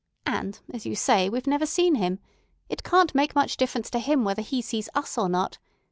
And, as you say, we've never seen him. It can't make much difference to him whether he sees us or not.